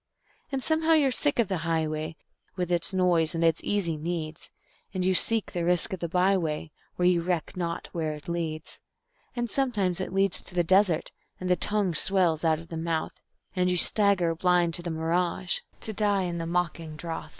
And somehow you're sick of the highway, with its noise and its easy needs, And you seek the risk of the by way, and you reck not where it leads. And sometimes it leads to the desert, and the tongue swells out of the mouth, And you stagger blind to the mirage, to die in the mocking drouth.